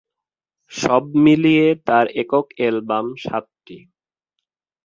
সব মিলিয়ে তার একক অ্যালবাম সাতটি।